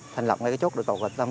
thành lập ngay cái chốt